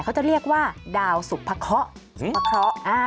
เขาจะเรียกว่าดาวสุภะเคาะ